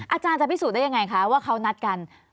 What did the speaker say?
อาจารย์จะพิสูจนได้ยังไงคะว่าเขานัดกัน